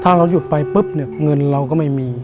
ถ้าเราหยุดไปปุ๊บเนี่ยเงินเราก็ไม่มี